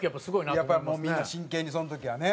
やっぱりもうみんな真剣にその時はね。